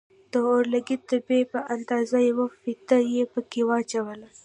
د اورلګيت د دبي په اندازه يوه فيته يې پکښې واچوله.